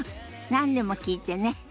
何でも聞いてね。